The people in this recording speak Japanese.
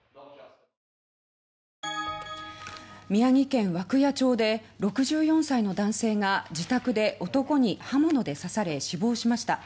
宮城県涌谷町で６４歳の男性が自宅で男に刃物で刺され死亡しました。